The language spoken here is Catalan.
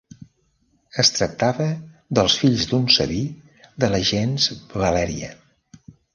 Es tractava dels fills d'un sabí de la gens Valèria.